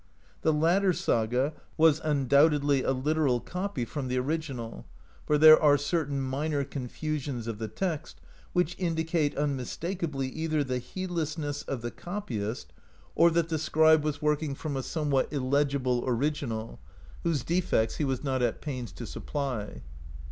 The latter saga was undoubtedly a literal copy from the original, for there are certain minor confusions of the text, which indicate, unmistakably, either the heedlessness of the copyist, or that the scribe was working from a 22 THE SAGA OF ERIC THE RED somewhat illegible original whose defects he was not at pains to supply.